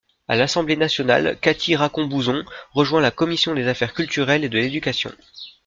À l'Assemblée nationale, Cathy Racon-Bouzon rejoint la Commission des Affaires culturelles et de l'Éducation.